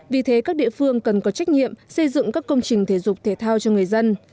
vì thế các địa phương cần có trách nhiệm xây dựng các công trình thể dục thể thao cho người dân